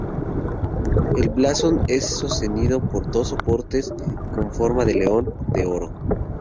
El blasón es sostenido por dos soportes con forma de león, de oro.